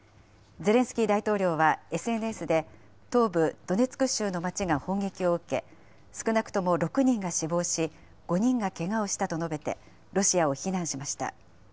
ゼレンスキー大統領はＳＮＳで、東部ドネツク州の街が砲撃を受け、少なくとも６人が死亡し、５人がけがをしたと述べて、ロシアを非難しました。